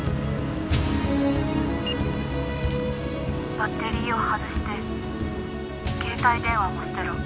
「バッテリーを外して携帯電話も捨てろ」